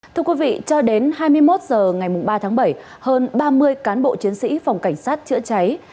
thưa quý vị cho đến hai mươi một h ngày ba tháng bảy hơn ba mươi cán bộ chiến sĩ phòng cảnh sát chữa cháy